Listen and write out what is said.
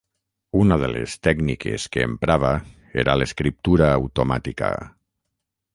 Una de les tècniques que emprava era l'escriptura automàtica.